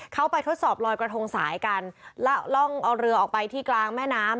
เขาไปทดสอบลอยกระทงสายกันแล้วล่องเอาเรือออกไปที่กลางแม่น้ำ